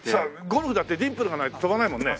ゴルフだってディンプルがないと飛ばないもんね。